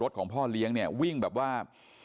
ของพ่อเลี้ยงเนี่ยวิ่งแบบว่า